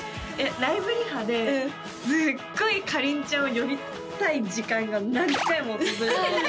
ライブリハですっごいかりんちゃんを呼びたい時間が何回も続いて私